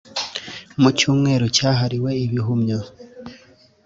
Mu cyumweru cyahariwe Ibihumyo